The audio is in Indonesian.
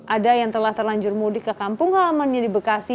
ada yang telah terlanjur mudik ke kampung halamannya di bekasi